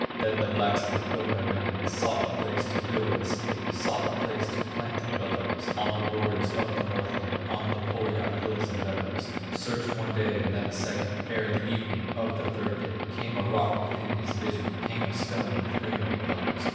Then the blacksmith, Ilmarinen, Sought a place to build a smithy, Sought a place to plant a bellows, On the borders of the Northland, On the Pohya hills and meadows; Searched one day, and then a second; Ere the evening of the third day, Came a rock within his vision, Came a stone with rainbow colors.